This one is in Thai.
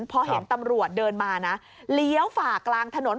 พอเห็นตำรวจเดินมานะเลี้ยวฝ่ากลางถนน